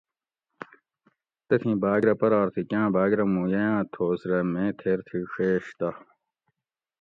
تتھیں بھاۤگ رہ پرار تھی کاۤں بھاۤگ رہ موں یئاۤں تھوس رہ میں تھیر تھی ڛیش تہ